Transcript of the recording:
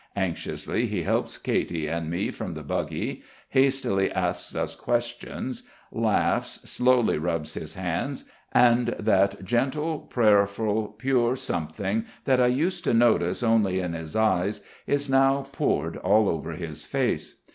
Anxiously he helps Katy and me from the buggy, hastily asks us questions, laughs, slowly rubs his hands, and that gentle, prayerful, pure something that I used to notice only in his eyes is now poured over all his face.